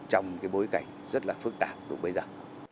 trong cái bối cảnh rất là phức tạp lúc bây giờ